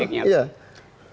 oke saya terangkan